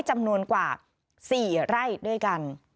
จำนวนกว่า๔ไร่ด้วยกัน